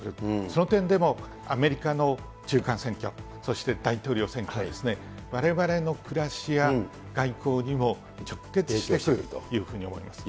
その点でも、アメリカの中間選挙、そして大統領選挙ですね、われわれの暮らしや外交にも直結してくるというふうに思います。